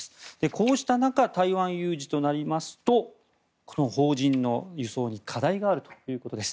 こうした中台湾有事となりますとこの邦人の輸送に課題があるということです。